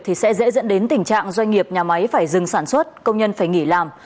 thì sẽ dễ dẫn đến tình trạng doanh nghiệp nhà máy phải dừng sản xuất công nhân phải nghỉ làm